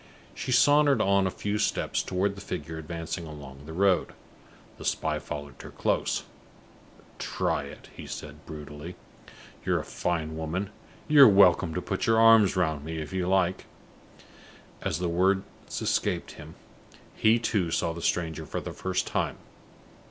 She sauntered on a few steps toward the figure advancing along the road. The spy followed her close. "Try it," he said, brutally. "You're a fine woman; you're welcome to put your arms round me if you like." As the words escaped him, he too saw the stranger for the first time.